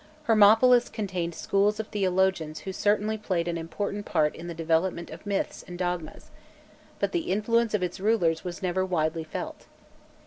Hermopolis contained schools of theologians who certainly played an important part in the development of myths and dogmas; but the influence of its rulers was never widely felt.